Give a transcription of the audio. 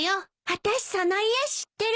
あたしその家知ってる。